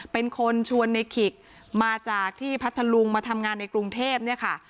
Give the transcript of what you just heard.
เป็นคนชวนในขิกมาจากที่พัทธลุงมาทำงานในกรุงเทพเนี่ยค่ะ